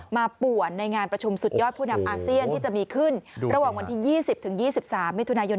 ป่วนในงานประชุมสุดยอดผู้นำอาเซียนที่จะมีขึ้นระหว่างวันที่๒๐๒๓มิถุนายน